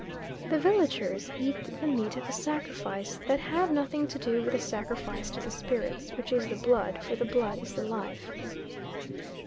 The villagers eat the meat of the sacrifice, that having nothing to do with the sacrifice to the spirits, which is the blood, for the blood is the life.